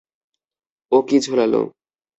ও কী বোঝালো?